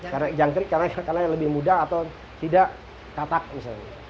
karena jangkrik karena yang lebih muda atau tidak katak misalnya